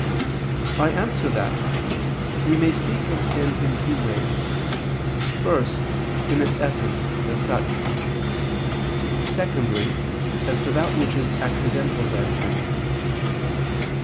I answer that, We may speak of sin in two ways: first, in its essence, as such; secondly, as to that which is accidental thereto.